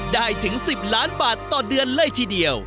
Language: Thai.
ถึง๑๐ล้านบาทต่อเดือนเลยทีเดียว